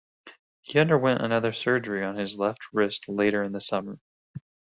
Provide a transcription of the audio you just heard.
He underwent another surgery on his left wrist later in the summer.